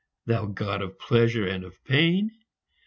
Thou god of pleasure and of pain